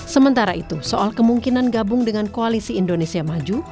sementara itu soal kemungkinan gabung dengan koalisi indonesia maju